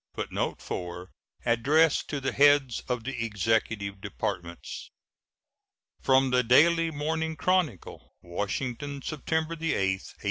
[Footnote 4: Addressed to the heads of the Executive Departments.] [From the Daily Morning Chronicle, Washington, September 8, 1869.